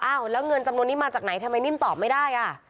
แล้วเงินจำนวนนี้มาจากไหนทำไมนิ่มตอบไม่ได้อ่ะ